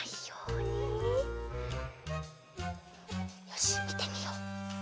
よしみてみよう。